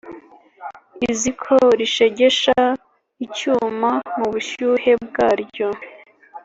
Iziko rishegesha icyuma mu bushyuhe bwaryo,